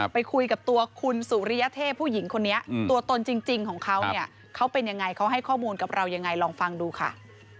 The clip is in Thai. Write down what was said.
ไปคุยกับตัวคุณสุริยเทพผู้หญิงคนนี้ตัวตนจริงของเขาเนี่ยเขาเป็นยังไงเขาให้ข้อมูลกับเรายังไงลองฟังดูค่ะ